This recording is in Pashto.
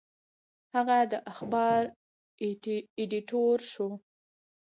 هغه د اخبار ایډیټور شو.